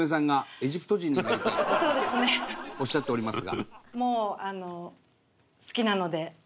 伊達：おっしゃっておりますが。